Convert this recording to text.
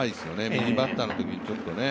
右バッターのときにちょっとね。